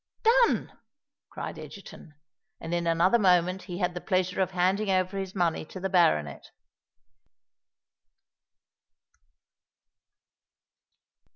"Done," cried Egerton; and in another moment he had the pleasure of handing over his money to the baronet.